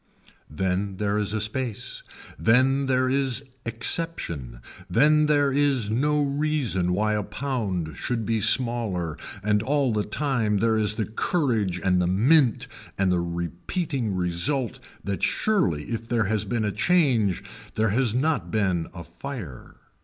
Then there is a space, then there is exception, then there is no reason why a pound should be smaller and all the time there is the courage and the mint and the repeating result that surely if there has been a change there has not been a fire.